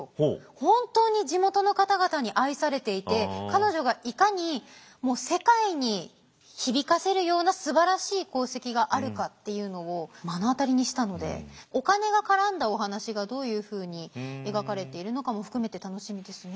本当に地元の方々に愛されていて彼女がいかに世界に響かせるようなすばらしい功績があるかっていうのを目の当たりにしたのでお金が絡んだお話がどういうふうに描かれているのかも含めて楽しみですね。